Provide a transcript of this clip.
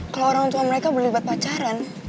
kalau orang tua mereka boleh libat pacaran